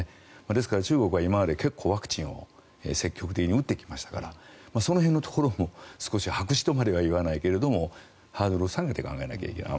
ですから、中国は結構ワクチンを積極的に打ってきましたらからそこら辺も白紙とまでは言いませんがハードルを下げて考えなきゃいけない。